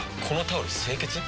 このタオル清潔？